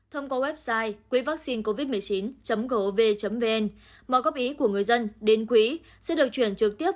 thông qua website quỹvaccinecovid một mươi chín gov vn mọi góp ý của người dân đến quỹ sẽ được chuyển trực tiếp